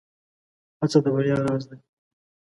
هڅه د بريا راز دی.